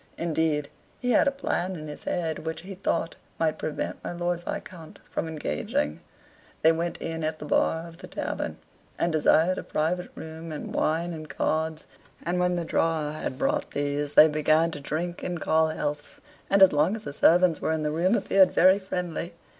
Indeed, he had a plan in his head, which, he thought, might prevent my Lord Viscount from engaging. They went in at the bar of the tavern, and desired a private room and wine and cards, and when the drawer had brought these, they began to drink and call healths, and as long as the servants were in the room appeared very friendly.